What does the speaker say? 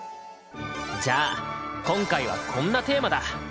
じゃあ今回はこんなテーマだ！